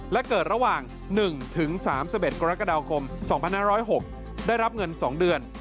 และเกิดระหว่าง๑๓๑กรกฎาคม๒๕๐๖ได้รับเงิน๒เดือน